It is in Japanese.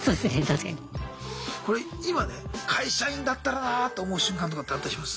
これ今ね会社員だったらなと思う瞬間とかってあったりします？